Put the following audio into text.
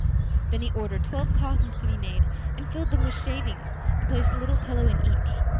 Then he ordered twelve coffins to be made, and filled them with shavings, and placed a little pillow in each.